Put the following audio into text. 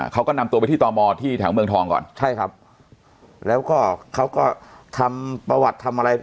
เขาก็นำตัวไปที่ต่อมอที่แถวเมืองทองก่อนใช่ครับแล้วก็เขาก็ทำประวัติทำอะไร